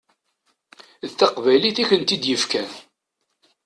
D taqbaylit i kent-id-yefkan.